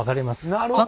なるほど。